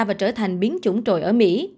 và trở thành biến chủng trội ở mỹ